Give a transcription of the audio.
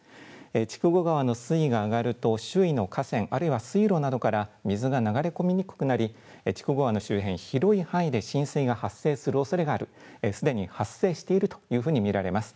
筑後川の水位が上がると、周囲の河川、あるいは水路などから水が流れ込みにくくなり、筑後川の周辺、広い範囲で浸水が発生するおそれがある、すでに発生しているというふうに見られます。